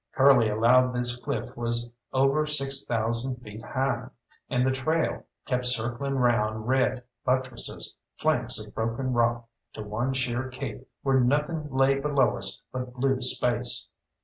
Curly allowed this cliff was over six thousand feet high, and the trail kept circling round red buttresses, flanks of broken rock, to one sheer cape where nothing lay below us but blue space.